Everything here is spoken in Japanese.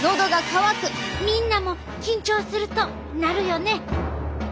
みんなも緊張するとなるよね。